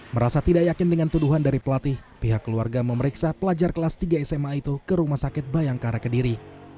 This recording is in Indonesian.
merasa tidak yakin dengan tuduhan dari pelatih pihak keluarga memeriksa pelajar kelas tiga sma itu ke rumah sakit bayangkara kediri